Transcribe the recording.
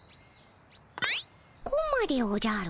コマでおじゃる。